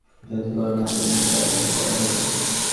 সেখান থেকে এটি চূড়ান্ত হয়ে এলে জাতীয়করণের আদেশ জারি করা হবে।